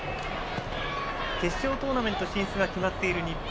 決勝トーナメント進出が決まっている日本。